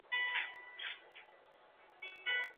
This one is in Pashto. ځوانان د هېواد راتلونکي مشران دي.